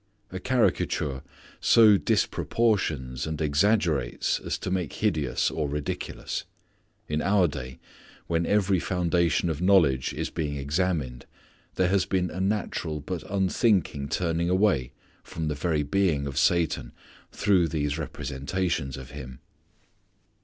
A caricature so disproportions and exaggerates as to make hideous or ridiculous. In our day when every foundation of knowledge is being examined there has been a natural but unthinking turning away from the very being of Satan through these representations of him.